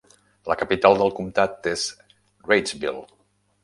La capital del comptat és Reidsville.